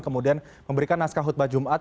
kemudian memberikan naskah khutbah jumat